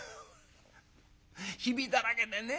「ひびだらけでねえ